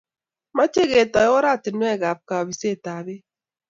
Mache ketoy oratinwek ab kabiset ab peek